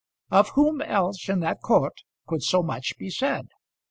Of whom else in that court could so much be said?